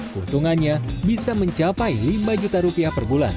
keuntungannya bisa mencapai lima juta rupiah per bulan